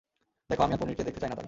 দেখ, আমি আর পনিরকে দেখতে চাই না তাই?